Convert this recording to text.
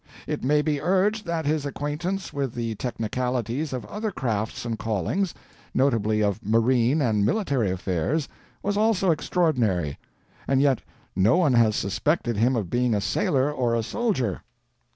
It may be urged that his acquaintance with the technicalities of other crafts and callings, notably of marine and military affairs, was also extraordinary, and yet no one has suspected him of being a sailor or a soldier.